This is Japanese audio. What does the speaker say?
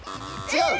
違う。